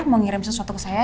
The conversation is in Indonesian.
mau ngirim sesuatu ke saya